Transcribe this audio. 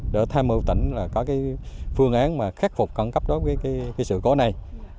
để tham mưu tỉnh có phương án khắc phục cận cấp đối với sự cố này